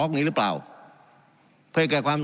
การปรับปรุงทางพื้นฐานสนามบิน